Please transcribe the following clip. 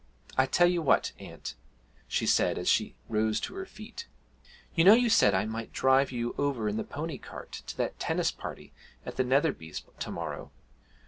I tell you what, aunt,' she said as she rose to her feet, 'you know you said I might drive you over in the pony cart to that tennis party at the Netherbys to morrow.